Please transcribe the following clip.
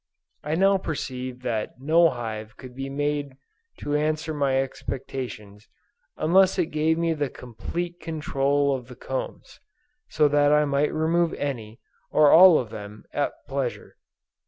I now perceived that no hive could be made to answer my expectations unless it gave me the complete control of the combs, so that I might remove any, or all of them at pleasure.